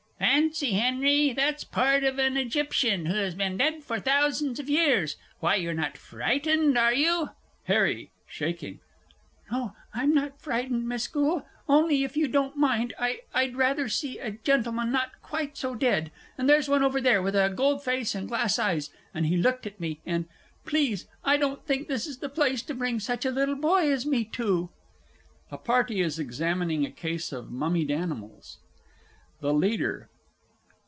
Fancy, Henry, that's part of an Egyptian who has been dead for thousands of years! Why, you're not frightened, are you? HARRY (shaking). No, I'm not frightened, Miss Goole only if you don't mind, I I'd rather see a gentleman not quite so dead. And there's one over there with a gold face and glass eyes, and he looked at me, and please, I don't think this is the place to bring such a little boy as me to! A Party is examining a Case of Mummied Animals. THE LEADER.